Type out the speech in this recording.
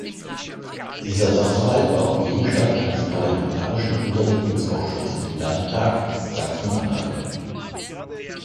Dieser Sachverhalt war auch Gegenstand eines parlamentarischen Untersuchungsausschuss im Landtag Sachsen-Anhalt.